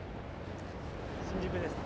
新宿ですね。